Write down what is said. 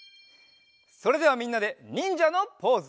それではみんなでにんじゃのポーズ。